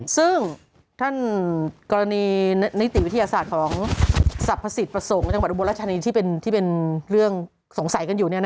ซึ่งท่านกรณีนิติวิทยาศาสตร์ของสรรพสิทธิประสงค์จังหวัดอุบลรัชธานีที่เป็นเรื่องสงสัยกันอยู่